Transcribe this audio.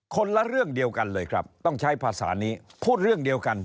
คนละเรื่องเดียวกันเลยครับต้องใช้ภาษานี้พูดเรื่องเดียวกัน